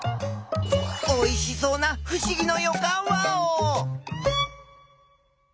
おいしそうなふしぎのよかんワオ！